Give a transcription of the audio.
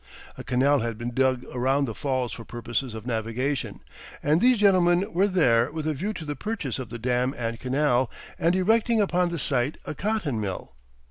A canal had been dug around the falls for purposes of navigation, and these gentlemen were there with a view to the purchase of the dam and canal, and erecting upon the site a cotton mill.